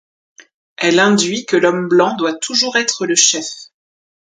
Elle induit que l'homme blanc doit toujours être le chef.